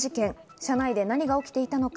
車内で何が起きていたのか。